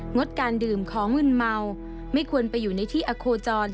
ดการดื่มของมืนเมาไม่ควรไปอยู่ในที่อโคจร